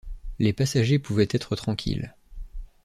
Les passagers pouvaient être tranquilles.